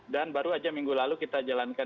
dan baru aja minggu lalu kita jalankan